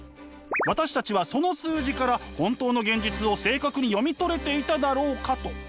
「私たちはその数字から本当の現実を正確に読み取れていただろうか」と。